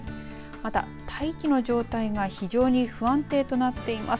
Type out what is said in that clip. また、大気の状態が非常に不安定となっています。